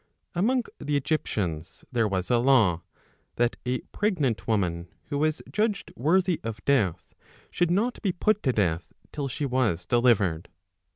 Among the Egyptians there was a law, that a pregnant woman who was judged worthy of death, should not be put to death till she was delivered.